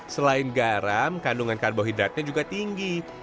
selain garam kandungan karbohidratnya juga tinggi